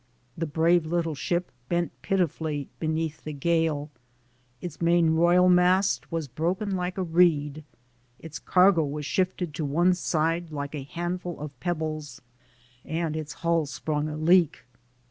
The brave little ship bent pitifully beneath the gale; its mainroyalmast was broken like a reed ; its cargo was shifted to one side like a handful of pebbles, and its hull sprung a leak.